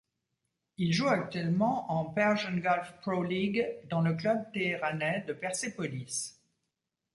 Il joue actuellement en Persian Gulf Pro League dans le club téhéranais de Persépolis.